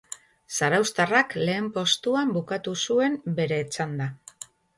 Zarauztarrak lehen postuan bukatu zuen bere txanda.